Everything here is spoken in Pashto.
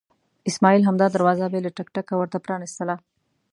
اسماعیل همدا دروازه بې له ټک ټکه ورته پرانستله.